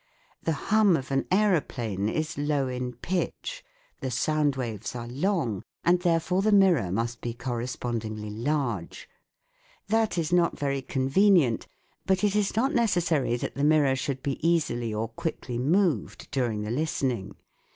16). The hum of an aeroplane is low in pitch, the sound waves are long, and therefore the mirror must be correspondingly large. That is not very con venient, but it is not necessary that the mirror should be easily or quickly moved during the listening.